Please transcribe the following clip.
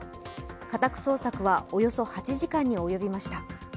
家宅捜索はおよそ８時間に及びました。